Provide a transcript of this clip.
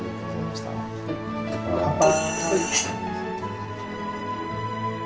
乾杯！